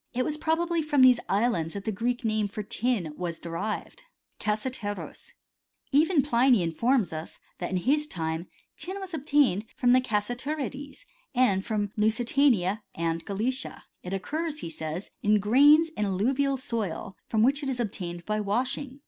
It was probably from these islands ^hat the Greek name for tin was derived (icacrffircpoc). Even Pliny informs us, that in his time tin was ob^ tained from the Cassiterides, and from Lusitaoia and Gallicia. It occurs, he says, in grains in alluvial soil, from which it is obtained by washing.